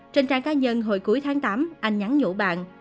trên trang cá nhân hồi cuối tháng tám anh nhắn nhủ bạn